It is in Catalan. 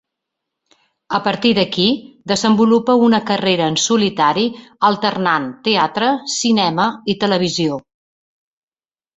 A partir d'aquí, desenvolupa una carrera en solitari alternant teatre, cinema i televisió.